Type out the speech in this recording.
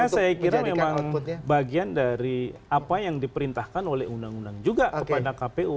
karena saya kira memang bagian dari apa yang diperintahkan oleh undang undang juga kepada kpu